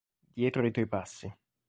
Dietro i tuoi passi.